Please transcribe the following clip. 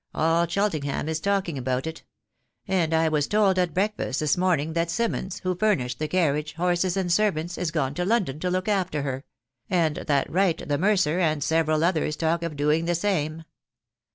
All Chel tenham is talking about it ; and I was told at breakfast this morning that Simmons, who furnished the carriage, horses, and servants, is gone to London to look after her ; and that Wright the mercer, and several others, talk of doing the same.